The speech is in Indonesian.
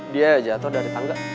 dia jatuh dari tangga